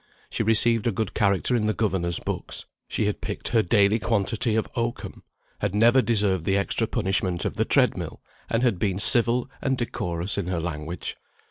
She received a good character in the governor's books; she had picked her daily quantity of oakum, had never deserved the extra punishment of the tread mill, and had been civil and decorous in her language.